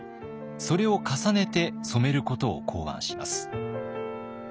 それを重ねて染めることを考案します。